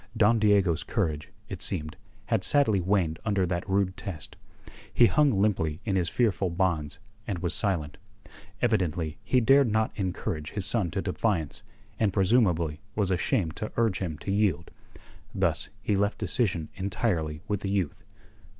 Don Diego's courage, it seemed, had sadly waned under that rude test. He hung limply in his fearful bonds, and was silent. Evidently he dared not encourage his son to defiance, and presumably was ashamed to urge him to yield. Thus, he left decision entirely with the youth.